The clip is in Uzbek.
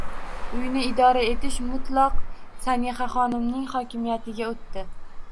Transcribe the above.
Uyni idora etish mutlaq Sanihaxonimning hokimiyatiga o'tdi.